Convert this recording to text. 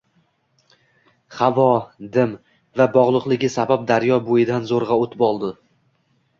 Havo dim va boʻgʻiqligi sabab daryo boʻyidan zoʻrgʻa oʻtib oldi